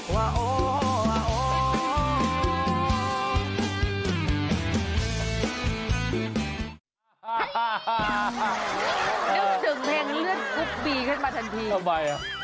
ว้าโอว้าโอว้าโอ